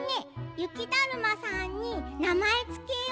ゆきだるまさんになまえつけよう。